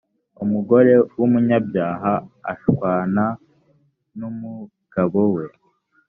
umugore w’ umunyabyaha ashwananumugabowe.